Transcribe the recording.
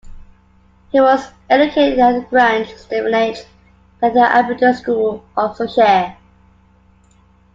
He was educated at the Grange, Stevenage and at Abingdon School, Oxfordshire.